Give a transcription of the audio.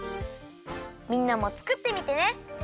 みんなも作ってみてね。